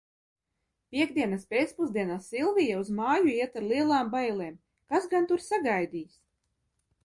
Piektdienas pēcpusdienā Silvija uz māju iet ar lielām bailēm, kas gan tur sagaidīs.